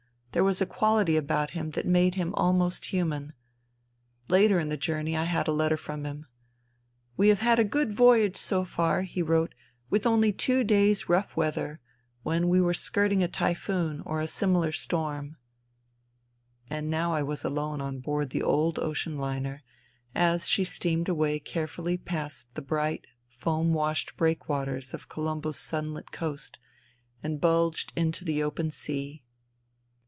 There was a quality about him that made him almost human. Later in the journey I had a letter from him. " We have had a good voyage, so far,*' he wrote, " with only two days* rough weather, when we were skirting a typhoon, or a similar storm. ..." And now I was alone on board the old ocean liner, as she steamed away carefully past the bright, foam washed breakwaters of Colombo's sunlit coast, and bulged into the open sea.